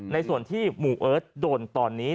ในส่วนที่หมู่เอิร์ทโดนตอนนี้